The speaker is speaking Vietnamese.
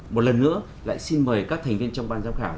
một lần nữa lại xin mời các thành viên trong ban giám khảo